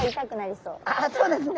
そうですね。